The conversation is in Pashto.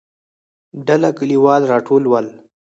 ډله کليوال راټول ول.